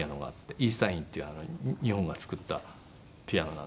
イースタインっていう日本が作ったピアノなんですけど。